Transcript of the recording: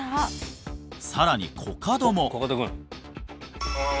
さらにコカドもああ